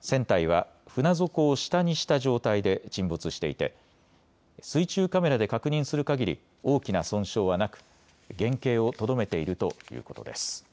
船体は船底を下にした状態で沈没していて、水中カメラで確認するかぎり大きな損傷はなく原形をとどめているということです。